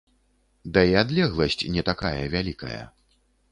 Да і адлегласць не такая вялікая.